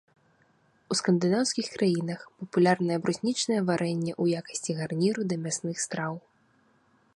У скандынаўскіх краінах папулярнае бруснічнае варэнне ў якасці гарніру да мясных страў.